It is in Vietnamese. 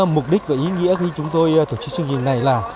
mục đích và ý nghĩa khi chúng tôi tổ chức chương trình này là